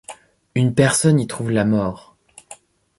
Une personne y trouve la mort.